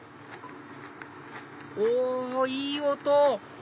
おいい音！